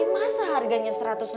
masa harganya satu ratus lima puluh